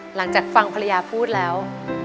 หลังจากฟังภรรยาพูดแล้ว